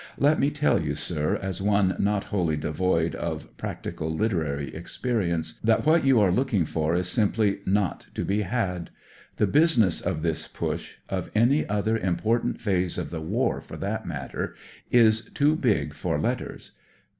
Let me tell y( a sir, as one not wholly devoid of pracli^ .. liter ry xpenence, that what vou re lot king fo is simply not to be hi ' fb#* business o' ♦^hia Push— of any otL ;i im portant phase of the war, for that matter is too big for letters.